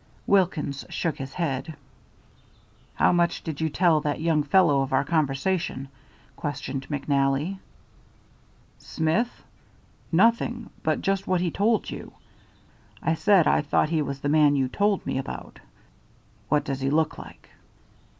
Wilkins shook his head. "How much did you tell that young fellow of our conversation?" questioned McNally. "Smith? Nothing but just what he told you. I said I thought he was the man you told me about." "What does he look like?"